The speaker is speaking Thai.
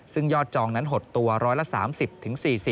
ซึ่งยอดจองนั้นหดตัว๑๓๐๔๐